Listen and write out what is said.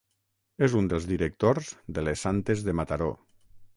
És un dels directors de les Santes de Mataró.